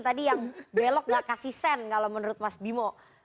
tadi yang belok nggak kasih sen kalau menurut mas bimo